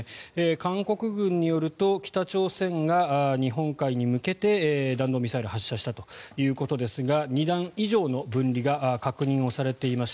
韓国軍によると北朝鮮が日本海に向けて弾道ミサイルを発射したということですが２段以上の分離が確認をされています。